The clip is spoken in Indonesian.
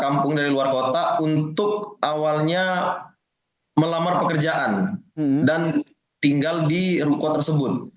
kampung dari luar kota untuk awalnya melamar pekerjaan dan tinggal di ruko tersebut